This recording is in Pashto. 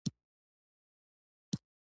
دا یو نوی اقتصادي سکتور دی.